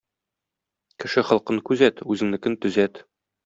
Кеше холкын күзәт, үзеңнекен төзәт.